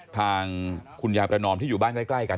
ทางคุณยายประนอมที่อยู่บ้านใกล้กัน